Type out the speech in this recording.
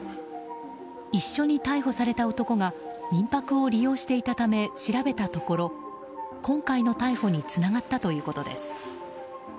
一緒に逮捕された男が民泊を利用していたため調べたところ、今回の逮捕につながったということです。